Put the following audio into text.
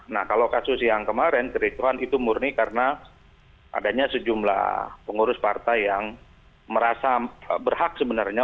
nah kalau kasus yang kemarin kericuan itu murni karena adanya sejumlah pengurus partai yang merasa berhak sebenarnya